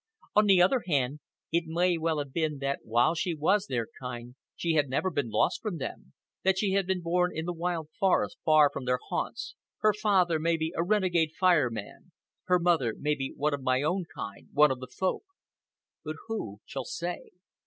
On the other hand, it may well have been that while she was their kind she had never been lost from them; that she had been born in the wild forest far from their haunts, her father maybe a renegade Fire Man, her mother maybe one of my own kind, one of the Folk. But who shall say?